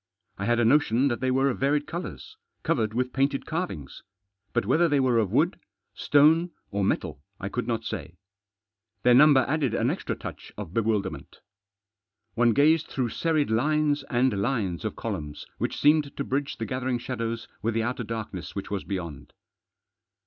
I had a notion that they were of varied colours ; covered with painted carvings. But whether they were of wood, stone, or metal I could not say. Their number added an extra touch of bewilderment. One gazed through serried lines and lines of columns which seemed to bridge the gathering shadows with the outer darkness which was beyond.